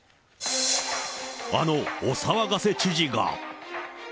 あのお騒がせ知事が。